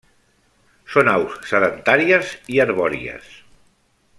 Són aus sedentàries i arbòries.